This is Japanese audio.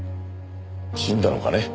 死んだのかね？